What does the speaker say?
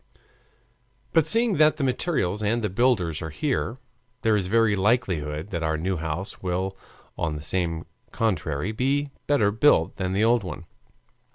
But seeing that the materials and the builders are here, there is every likelihood that the new house will on the contrary be better built than the old one.